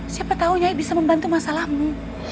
siapa tahu yaya bisa membantu masalahmu